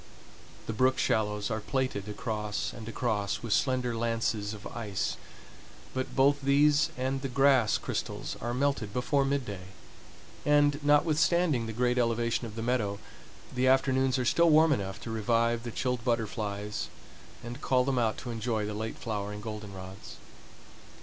The brook shallows are plaited across and across with slender lances of ice, but both these and the grass crystals are melted before midday, and, notwithstanding the great elevation of the meadow, the afternoons are still warm enough to revive the chilled butterflies and call them out to enjoy the late flowering goldenrods.